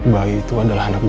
bayi itu adalah anak gue